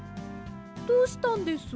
どうしたんです？